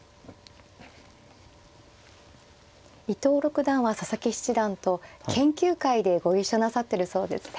伊藤六段は佐々木七段と研究会でご一緒なさってるそうですね。